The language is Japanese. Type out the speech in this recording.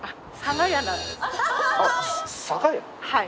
はい。